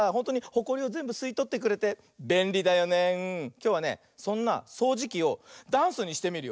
きょうはねそんなそうじきをダンスにしてみるよ。